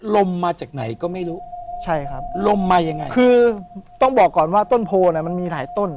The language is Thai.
ลมมาจากไหนก็ไม่รู้ใช่ครับลมมายังไงคือต้องบอกก่อนว่าต้นโพลน่ะมันมีหลายต้น